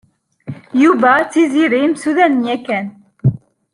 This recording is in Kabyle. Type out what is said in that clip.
Yuba d Tiziri msudanen yakan.